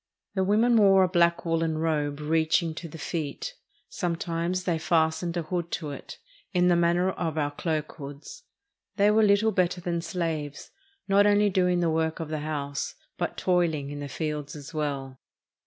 The women wore a black woolen robe reaching to the feet. Sometimes they fastened a hood to it in the man ner of our cloak hoods. They were little better than slaves, not only doing the work of the house, but toiling in the fields as well.